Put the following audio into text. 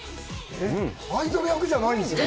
アイドル役じゃないんですね。